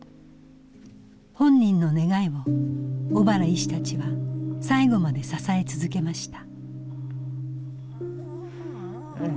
本人の願いを小原医師たちは最後まで支え続けました。